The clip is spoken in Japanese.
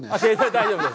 大丈夫です。